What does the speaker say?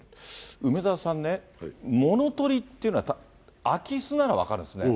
梅沢さんね、物取りっていうのは、空き巣なら分かるんですね。